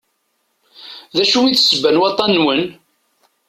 D acu i d ssebba n waṭṭan-nwen?